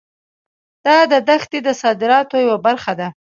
دا دښتې د صادراتو یوه برخه ده.